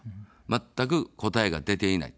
まったく答えが出ていない。